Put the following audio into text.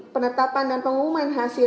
penetapan dan pengumuman hasil